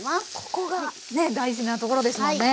ここがね大事なところですもんね。